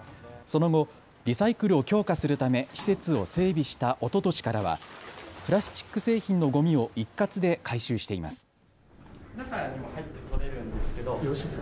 その後、リサイクルを強化するため施設を整備したおととしからはプラスチック製品のごみを一括で回収しています。